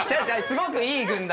すごくいい軍団。